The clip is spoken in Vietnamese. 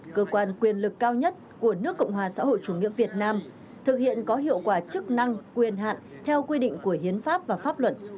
cơ quan quyền lực cao nhất của nước cộng hòa xã hội chủ nghĩa việt nam thực hiện có hiệu quả chức năng quyền hạn theo quy định của hiến pháp và pháp luật